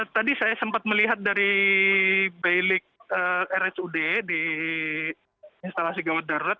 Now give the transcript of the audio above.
tadi saya sempat melihat dari belik rsud di instalasi gawat darurat